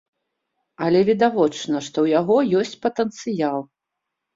Але відавочна, што ў яго ёсць патэнцыял.